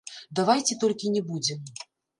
Давайце толькі не будзем!